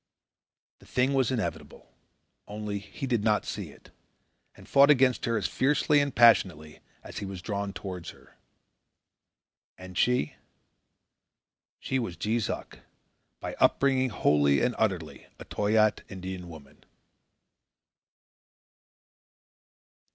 The thing was inevitable; only, he did not see it, and fought against her as fiercely and passionately as he was drawn towards her. And she? She was Jees Uck, by upbringing wholly and utterly a Toyaat Indian woman.